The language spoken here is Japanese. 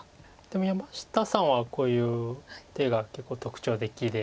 でも山下さんはこういう手が結構特徴的で。